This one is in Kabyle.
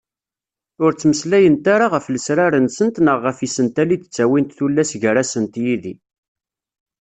Ur ttmeslayent ara ɣef lesrar-nsent neɣ ɣef yisental i d-ttawint tullas gar-asent yid-i.